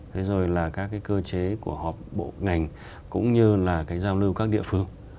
đặc biệt là các cơ chế của hợp bộ ngành cũng như là giao lưu các địa phương